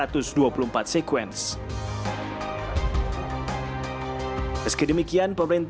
meski demikian pemerintah harus mencari sekuens yang lebih tinggi